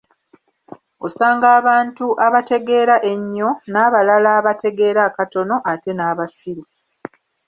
Osanga abantu abategeera ennyo, n'abalala abategeera akatono ate n'abasiru.